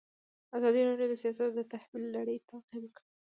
ازادي راډیو د سیاست د تحول لړۍ تعقیب کړې.